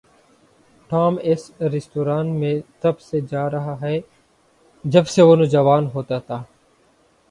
Tom اس restaurant میں تب سے جا رہا ہے جب سے وہ نوجوان ہوتا تھا۔